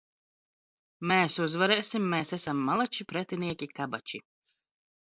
M?s uzvar?sim! M?s esam mala?i, pretinieki kaba?i!